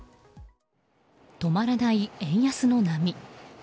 止まらない円安の波。